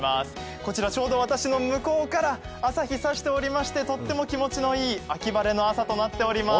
こちらちょうど私の向こうから朝日、差しておりまして、とっても気持ちのいい秋晴れの朝となっています。